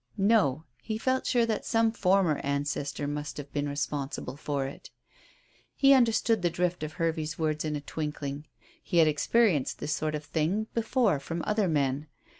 No; he felt sure that some former ancestor must have been responsible for it. He understood the drift of Hervey's words in a twinkling. He had experienced this sort of thing before from other men.